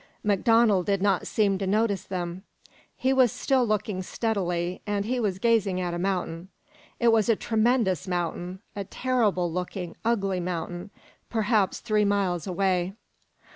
MacDonald did not seem to notice them. He was still looking steadily, and he was gazing at a mountain. It was a tremendous mountain, a terrible looking, ugly mountain, perhaps three miles away.